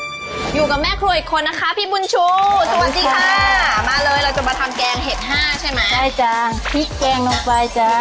อยู่กับแม่ครัวอีกคนนะคะพี่บุญชุสวัสดีค่ะ